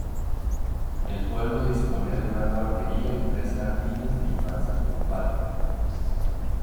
El pueblo dispone de una guardería y tres jardines de infancia con un patio.